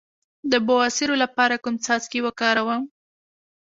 د بواسیر لپاره کوم څاڅکي وکاروم؟